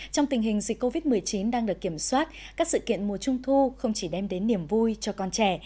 trong tình hình dịch covid một mươi chín đang được kiểm soát các sự kiện mùa trung thu không chỉ đem đến niềm vui cho con trẻ